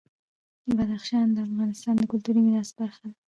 بدخشان د افغانستان د کلتوري میراث برخه ده.